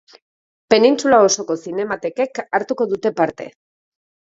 Penintsula osoko zinematekek hartuko dute parte.